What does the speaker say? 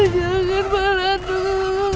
jangan pak landung